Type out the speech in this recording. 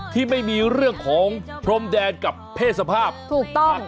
ที่ไม่มีเรื่องของพรมแดนกับเพศสภาพถูกต้อง